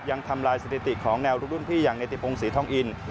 ยังทำลายเซ็นติกของแนวรุ่นพี่อย่างในติดพงศ์ศรีท่องอินทร์